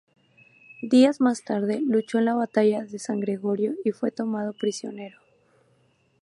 Días más tarde, Luchó en la batalla de San Gregorio y fue tomado prisionero.